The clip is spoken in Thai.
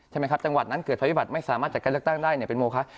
ใช่ไหมครับจังหวัดนั้นเกิดภัยบัติไม่สามารถจัดการเลือกตั้งได้เป็นโมคะ